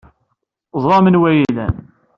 Teẓram anwa ay iyi-ilan.